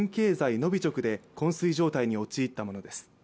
ノヴィチョクでこん睡状態に陥ったものです。